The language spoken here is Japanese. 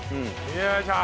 よいしょ！